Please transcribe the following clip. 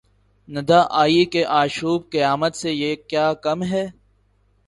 ندا آئی کہ آشوب قیامت سے یہ کیا کم ہے